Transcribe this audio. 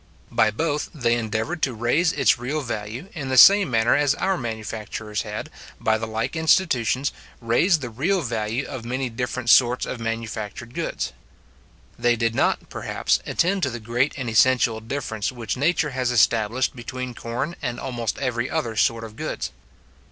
By both they endeavoured to raise its real value, in the same manner as our manufacturers had, by the like institutions, raised the real value of many different sorts of manufactured goods. They did not, perhaps, attend to the great and essential difference which nature has established between corn and almost every other sort of goods.